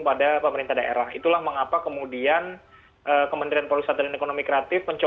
pada pemerintah daerah itulah mengapa kemudian kementerian pariwisata dan ekonomi kreatif